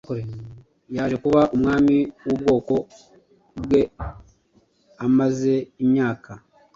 yaje kuba umwami wubwoko bweAmaze imyaka